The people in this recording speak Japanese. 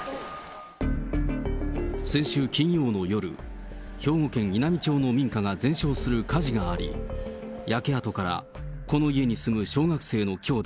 先週金曜の夜、兵庫県稲美町の民家が全焼する火事があり、焼け跡から、この家に住む小学生の兄弟、